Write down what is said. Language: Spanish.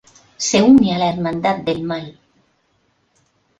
Se une a la Hermandad del Mal.